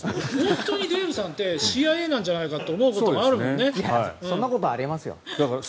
本当にデーブさんってＣＩＡなんじゃないかって思うことがありますからね。